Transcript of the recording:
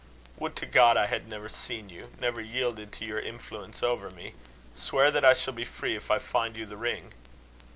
"Would to God I had never seen you! never yielded to your influence over me! Swear that I shall be free if I find you the ring."